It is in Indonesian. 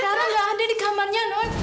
seorang yang telah dipecat dengan